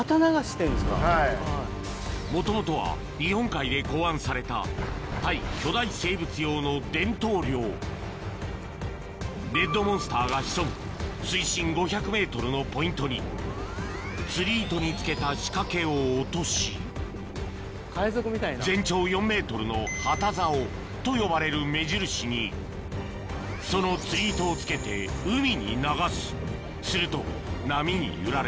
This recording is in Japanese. もともとは日本海で考案された対巨大生物用の伝統漁レッドモンスターが潜む水深５００ｍのポイントに釣り糸に付けた仕掛けを落とし全長４ｍの旗竿と呼ばれる目印にその釣り糸を付けて海に流すすると波に揺られ